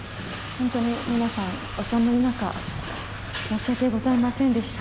本当に皆さん、お寒い中、申し訳ございませんでした。